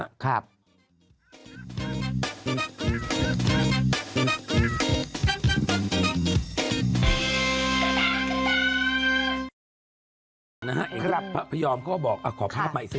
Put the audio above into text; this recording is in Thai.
น้ำปลาพริกพรส